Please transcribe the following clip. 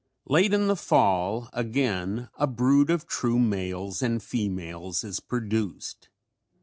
Late in the fall again a brood of true males and females is produced.